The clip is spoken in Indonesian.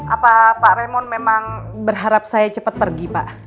apa pak remon memang berharap saya cepat pergi pak